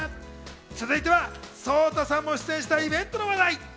続いてはＳＯＴＡさんも出演したイベントの話題。